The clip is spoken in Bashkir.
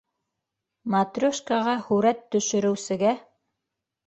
Матрешкаға һүрәт төшөрөүсегә...